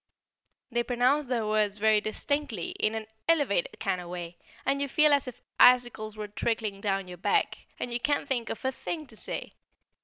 They pronounce their words very distinctly, in an elevated kind of way, and you feel as if icicles were trickling down your back, and you can't think of a thing to say.